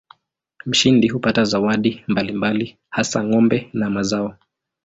Mshindi hupata zawadi mbalimbali hasa ng'ombe na mazao.